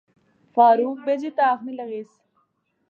فاروق بیجی تے آخنے لاغیس